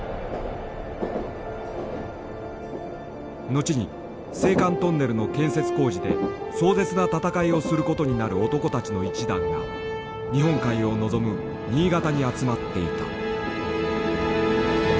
後に青函トンネルの建設工事で壮絶な闘いをすることになる男たちの一団が日本海を望む新潟に集まっていた。